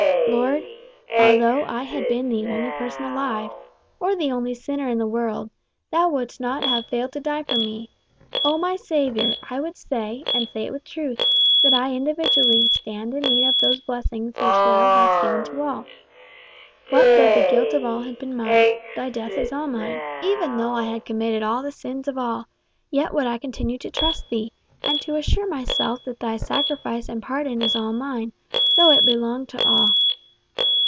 Lord, although I had been the only person alive, or the only sinner in the world, thou wouldst not have failed to die for me. O my Saviour, I would say, and say it with truth, that I individually stand in need of those blessings which thou hast given to all. What though the guilt of all had been mine? thy death is all mine. Even though I had committed all the sins of all, yet would I continue to trust thee, and to assure myself that thy sacrifice and pardon is all mine, though it belong to all."